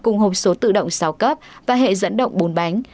cùng hộp số tự động sáu cấp và hệ dẫn động bốn bánh